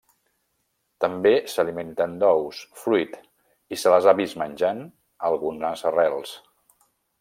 També s'alimenten d'ous, fruit, i se les ha vist menjant algunes arrels.